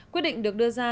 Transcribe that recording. quyết định được đưa ra